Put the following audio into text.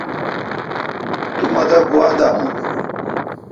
تو مہ دا گوا داون۔